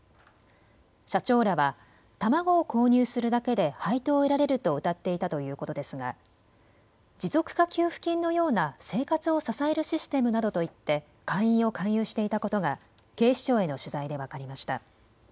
社長らは卵を購入するだけで配当を得られるとうたっていたということですが持続化給付金のような生活を支えるシステムなどと言って会員を勧誘していたことが警視庁への取材で分かりました。